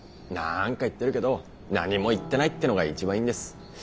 何か言ってるけど何も言ってないってのが一番いいんです。